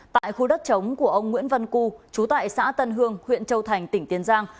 tại khu đất chống của ông nguyễn văn cư trú tại xã tân hương huyện châu thành tỉnh tiền giang